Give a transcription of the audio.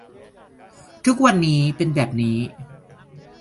ทุกวันนี้เป็นแบบนี้